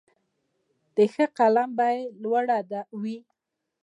د ښه قلم بیه لوړه وي.